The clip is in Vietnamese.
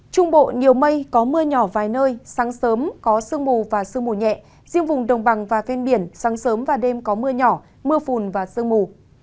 trung bộ nhiều mây có mưa nhỏ vài nơi sáng sớm có sương mù và sương mù nhẹ riêng vùng đồng bằng và ven biển sáng sớm và đêm có mưa nhỏ mưa phùn và sương mù